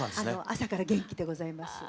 朝から元気でございます。